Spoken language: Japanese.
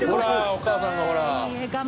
お母さんがほらっ。